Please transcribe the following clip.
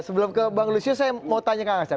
sebelum ke bang lucio saya mau tanya ke anda